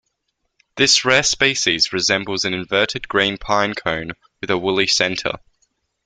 This rare species resembles an inverted green pine cone with a woolly center.